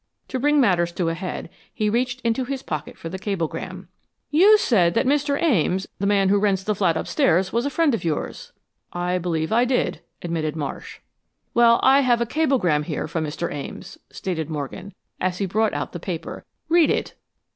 To bring matters to a head, he reached into his pocket for the cablegram. "You said that Mr. Ames, the man who rents the flat upstairs, was a friend of yours." "I believe I did," admitted Marsh. "Well, I have a cablegram here from Mr. Ames," stated Morgan, as he brought out the paper. "Read it."